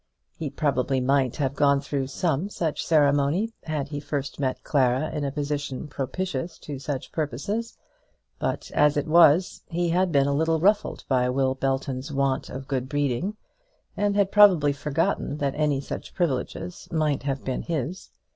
He probably might have gone through some such ceremony had he first met Clara in a position propitious to such purposes; but, as it was, he had been a little ruffled by Will Belton's want of good breeding, and had probably forgotten that any such privileges might have been his.